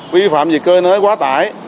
vi phạm vì cơ nới quá tải